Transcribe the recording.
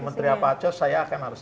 menteri apa acos saya akan harus